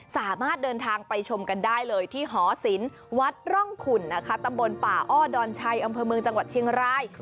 สามารถเดินทางไปชมกันได้เลยที่หอศิลป์วัดร่องขุนนะคะตำบลป่าอ้อดอนชัยอำเภอเมืองจังหวัดเชียงราย